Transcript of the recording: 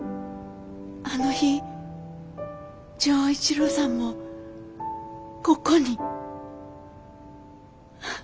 あの日錠一郎さんもここに。